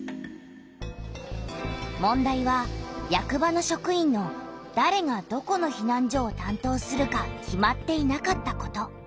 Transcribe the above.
問題は役場の職員のだれがどこのひなん所をたんとうするか決まっていなかったこと。